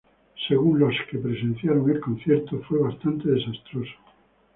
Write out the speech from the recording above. Según lo que presenciaron el concierto fue bastante desastroso.